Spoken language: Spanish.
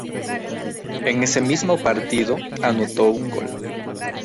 En ese mismo partido anotó un gol.